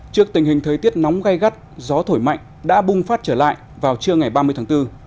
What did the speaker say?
trước tình hình thời tiết nóng gai gắt gió thổi mạnh đã bùng phát trở lại vào trưa ngày ba mươi tháng bốn